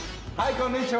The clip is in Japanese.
こんにちは！